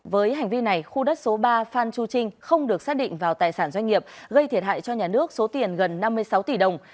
với hành vi này khu đất số ba phan chu trinh không được xác định vào tài sản doanh nghiệp gây thiệt hại cho nhà nước số tiền gần năm mươi sáu tỷ đồng